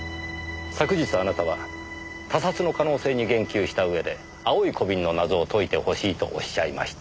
昨日あなたは他殺の可能性に言及した上で青い小瓶の謎を解いてほしいとおっしゃいました。